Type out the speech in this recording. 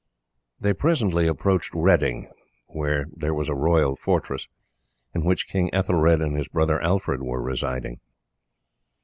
They presently approached Reading, where there was a royal fortress, in which King Ethelred and his brother Alfred were residing.